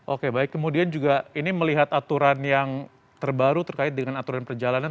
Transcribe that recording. oke baik kemudian juga ini melihat aturan yang terbaru terkait dengan aturan perjalanan